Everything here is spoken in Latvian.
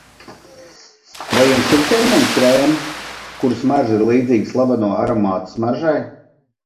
Vai jums ir ķermeņa krēmi, kuru smarža ir līdzīga slaveno aromātu smaržai?